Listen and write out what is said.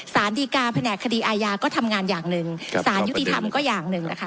สารดีการแผนกคดีอาญาก็ทำงานอย่างหนึ่งสารยุติธรรมก็อย่างหนึ่งนะคะ